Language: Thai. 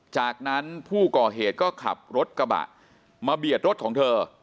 จากนั้นผู้ก่อเหตุก็ขับรถกระบะมาเบียดรถของเธอ